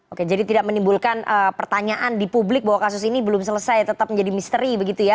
oke jadi tidak menimbulkan pertanyaan di publik bahwa kasus ini belum selesai tetap menjadi misteri begitu ya